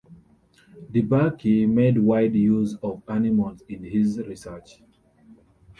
DeBakey made wide use of animals in his research.